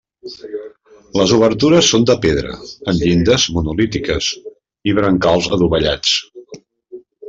Les obertures són de pedra, amb llindes monolítiques i brancals adovellats.